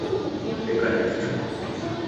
Dekanya kichuku.